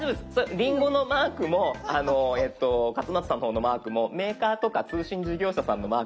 リンゴのマークも勝俣さんの方のマークもメーカーとか通信事業者さんのマークなんですけど。